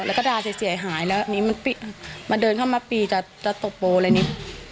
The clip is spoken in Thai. แล้วก็ด่าเสียหายแล้วอันนี้มันเดินเข้ามาปีจะตบโปรอะไรนี้